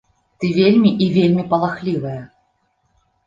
Ты вельмі і вельмі палахлівая.